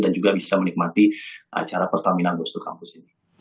dan juga bisa menikmati acara pertamina bostu kampus ini